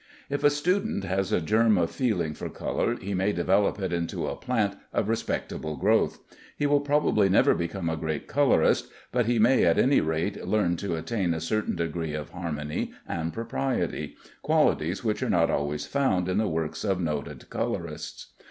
If a student has a germ of feeling for color, he may develop it into a plant of respectable growth. He will probably never become a great colorist, but he may at any rate learn to attain a certain degree of harmony and propriety, qualities which are not always found in the works of noted colorists.